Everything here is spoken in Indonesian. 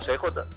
saya kok tak